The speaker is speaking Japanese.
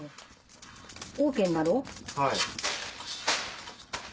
はい。